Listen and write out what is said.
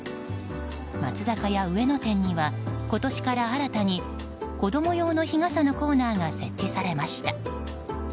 松坂屋上野店には今年から新たに子供用の日傘のコーナーが設置されました。